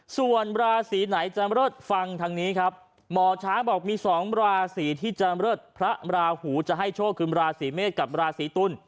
ส่วนมราศรีไหนจำรถฟังทางนี้ครับหมอช้างบอกมี๒มราศรีที่จำรสพระมราหูจะให้โชคคือมราศรีเมษากับราศรีตุล